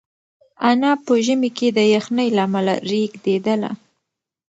انا په ژمي کې د یخنۍ له امله رېږدېدله.